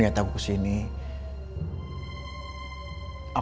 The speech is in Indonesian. dihantui rasa bersalah kimia